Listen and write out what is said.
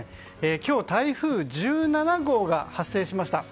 今日、台風１７号が発生しました。